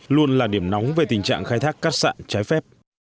luôn là điểm nóng về tình trạng khai thác cát sạn trái phép